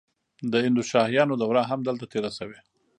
د هندوشاهیانو دوره هم دلته تیره شوې